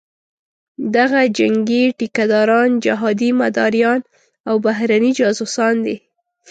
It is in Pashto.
دغه جنګي ټیکه داران، جهادي مداریان او بهرني جاسوسان دي.